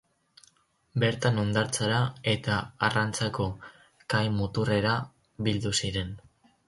Bertan hondartzara eta arrantzako kai-muturrera bildu ziren.